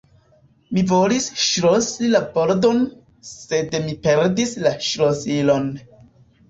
Mi volis ŝlosi la pordon, sed mi perdis la ŝlosilon.